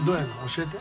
教えて。